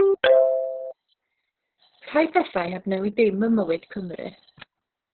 Rhai pethau heb newid dim ym mywyd Cymru.